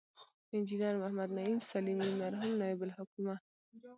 انجنیر محمد نعیم سلیمي، مرحوم نایب الحکومه